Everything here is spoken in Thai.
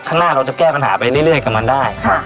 ข้างหน้าเราจะแก้ปัญหาไปเรื่อยกับมันได้